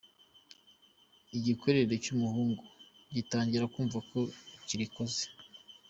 Igikwerere cy'umuhungu gitangira kumva ko kirikoze.